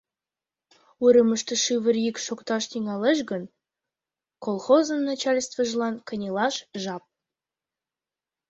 Уремыште шӱвыр йӱк шокташ тӱҥалеш гын, колхозын начальствыжлан кынелаш жап.